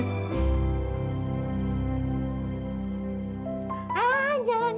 ah jangan jangan